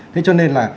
thế cho nên là